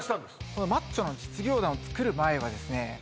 このマッチョの実業団を作る前はですね